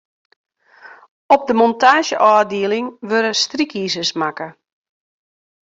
Op de montaazjeôfdieling wurde strykizers makke.